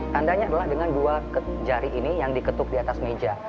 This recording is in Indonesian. tandanya adalah dengan dua jari ini yang diketuk di atas meja